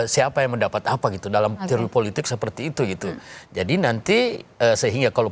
siapa yang mendapat apa gitu dalam teori politik seperti itu gitu jadi nanti sehingga kalau